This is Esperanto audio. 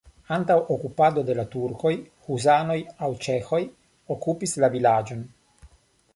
Antaŭ okupado de la turkoj husanoj aŭ ĉeĥoj okupis la vilaĝon.